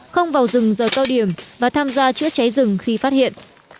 không vào rừng giờ cao điểm và tham gia chữa cháy rừng khi phát hiện